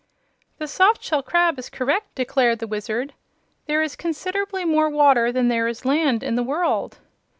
"The soft shell crab is correct," declared the Wizard. "There is considerably more water than there is land in the world."